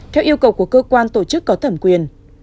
theo yêu cầu của cơ quan tổ chức cổ chức